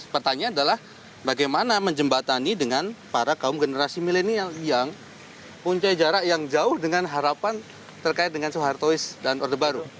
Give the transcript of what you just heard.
pertanyaan adalah bagaimana menjembatani dengan para kaum generasi milenial yang punca jarak yang jauh dengan harapan terkait dengan soehartois dan orde baru